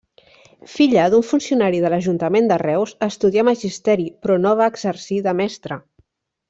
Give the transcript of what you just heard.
Filla d'un funcionari de l'Ajuntament de Reus, estudià magisteri, però no va exercir de mestra.